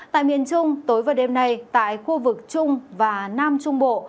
tại miền trung tối và đêm nay tại khu vực trung và nam trung bộ